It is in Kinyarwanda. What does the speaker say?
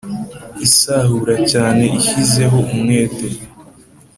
Isahura cyane ishyizeho umwete